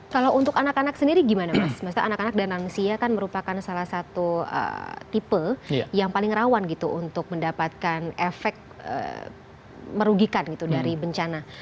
kalau untuk anak anak sendiri gimana mas maksudnya anak anak dan lansia kan merupakan salah satu tipe yang paling rawan gitu untuk mendapatkan efek merugikan gitu dari bencana